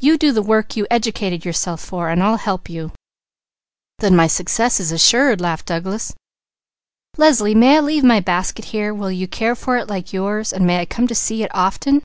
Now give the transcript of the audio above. You do the work you educated yourself for and I'll help you." "Then my success is assured," laughed Douglas. "Leslie, may I leave my basket here? Will you care for it like yours, and may I come to see it often?"